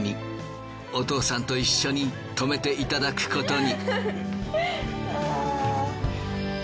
お父さんと一緒に泊めていただくことに。